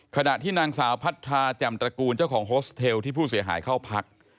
ขณะที่นางสาวพัทราแจ่มตระกูลเจ้าของโฮสเทลที่ผู้เสียหายเข้าพัก